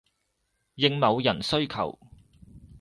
應某人需求